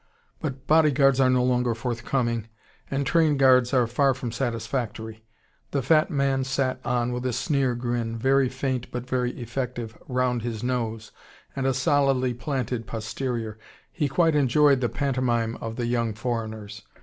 But bodyguards are no longer forthcoming, and train guards are far from satisfactory. The fat man sat on, with a sneer grin, very faint but very effective, round his nose, and a solidly planted posterior. He quite enjoyed the pantomime of the young foreigners.